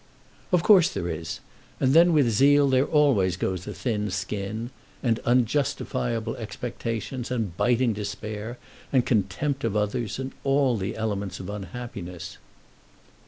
"Of course there is. And then with zeal there always goes a thin skin, and unjustifiable expectations, and biting despair, and contempt of others, and all the elements of unhappiness."